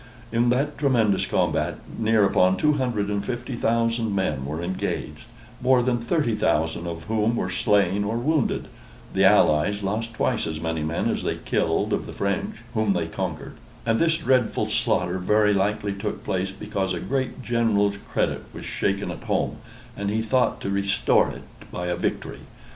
In that tremendous combat near upon two hundred and fifty thousand men were engaged, more than thirty thousand of whom were slain or wounded (the Allies lost twice as many men as they killed of the French, whom they conquered): and this dreadful slaughter very likely took place because a great general's credit was shaken at home, and he thought to restore it by a victory.